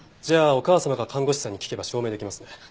じゃあお母様か看護師さんに聞けば証明できますね？